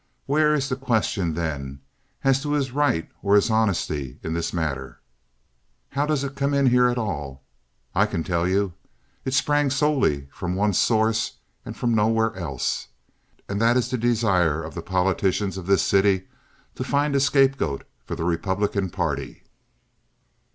Where is the question then, as to his right or his honesty in this matter? How does it come in here at all? I can tell you. It sprang solely from one source and from nowhere else, and that is the desire of the politicians of this city to find a scapegoat for the Republican party.